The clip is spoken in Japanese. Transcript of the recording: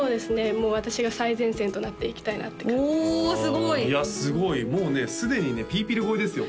もう私が最前線となっていきたいなっておすごい！いやすごいもうねすでにねぴーぴる超えですよ